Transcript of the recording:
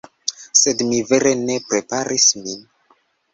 Sed mi vere ne preparis min